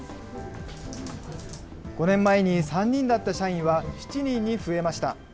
５年前に３人だった社員は７人に増えました。